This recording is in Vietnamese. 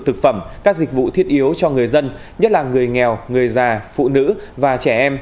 thực phẩm các dịch vụ thiết yếu cho người dân nhất là người nghèo người già phụ nữ và trẻ em